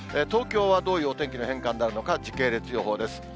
東京はどういうお天気の変化になるのか、時系列予報です。